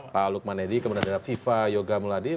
pak lukman edi kemudian ada viva yoga muladin